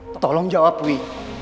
tolong jawab wi